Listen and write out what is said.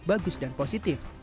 bagus dan positif